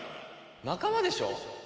仲間でしょ！